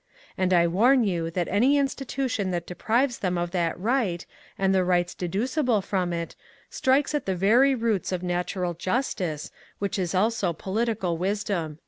And I warn you that any institution that deprives them of that right, and tiie rights deducible from it, strikes at the very roots of natural justice, which is also political wisdom."